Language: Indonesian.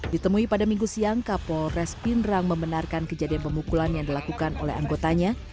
ditemui pada minggu siang kapolres pindrang membenarkan kejadian pemukulan yang dilakukan oleh anggotanya